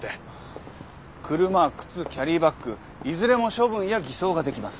車靴キャリーバッグいずれも処分や偽装ができます。